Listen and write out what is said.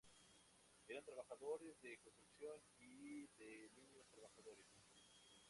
Eran trabajadores de construcción, y de niños trabajadores.